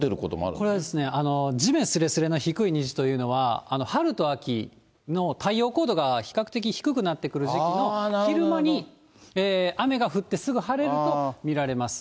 これはですね、地面すれすれの低い虹というのは、春と秋の太陽高度が比較的低くなってくる時期の、昼間に雨が降ってすぐ晴れると見られます。